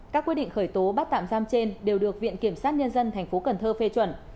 các quyết định khởi tố bắt tạm giam trên đều được viện kiểm sát nhân dân tp cần thơ phê chuẩn